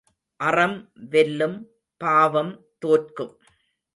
அறம் வெல்லும் பாவம் தோற்கும்.